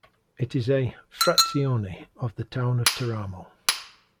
It is a "frazione" of the town of Teramo.